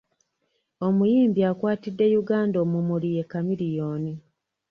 Omuyimbi akwatidde Uganda omumuli ye Chameleon.